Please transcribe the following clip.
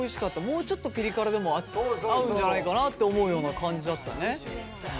もうちょっとピリ辛でも合うんじゃないかなって思うような感じだったね。